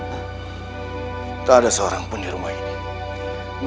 kita ada seorang pun di rumah ini